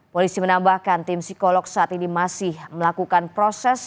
polisi menambahkan tim psikolog saat ini masih melakukan proses